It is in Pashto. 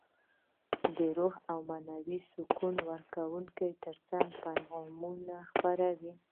د روحي او معنوي سکون ورکولو ترڅنګ پیغامونه خپروي.